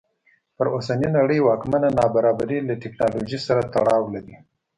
پر اوسنۍ نړۍ واکمنه نابرابري له ټکنالوژۍ سره تړاو لري.